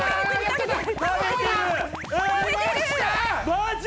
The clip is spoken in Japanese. マジ！？